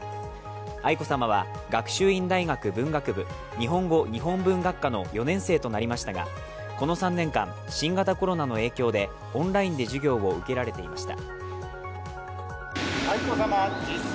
愛子さまは、学習院大学文学部・日本語日本文学科の４年生となりましたが、この３年間、新型コロナの影響でオンラインで授業を受けられていました。